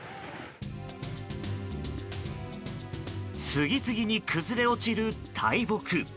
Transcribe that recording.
次々に崩れ落ちる大木。